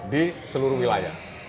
di seluruh wilayah